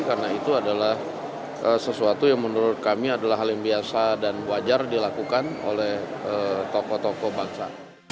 karena itu adalah sesuatu yang menurut kami adalah hal yang biasa dan wajar dilakukan oleh tokoh tokoh bangsa